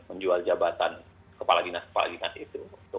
menjual jabatan kepala dinas kepala dinas itu